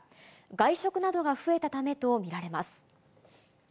外食などが増えたためと見られます。